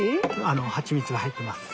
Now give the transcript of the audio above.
あのハチミツが入ってます。